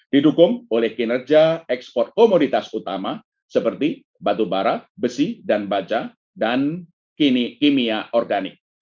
didukung oleh kinerja ekspor komoditas utama seperti batu bara besi dan baja dan kini kimia organik